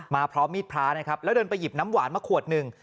พร้อมมีดพระนะครับแล้วเดินไปหยิบน้ำหวานมาขวดหนึ่ง